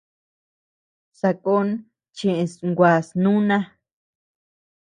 Sakón cheʼës nguas núna.